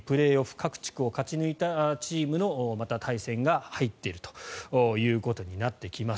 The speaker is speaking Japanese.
各地区を勝ち抜いたチームの対戦が入っているということになってきます。